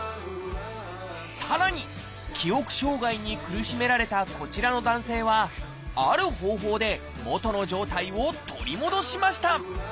さらに記憶障害に苦しめられたこちらの男性はある方法でもとの状態を取り戻しました。